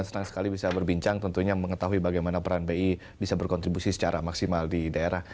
senang sekali bisa berbincang tentunya mengetahui bagaimana peran bi bisa berkontribusi secara maksimal di daerah